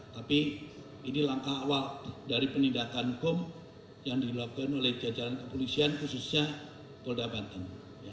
tapi ini langkah awal dari penindakan hukum yang dilakukan oleh jajaran kepolisian khususnya polda banten